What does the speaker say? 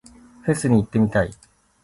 フェスに行ってみたい。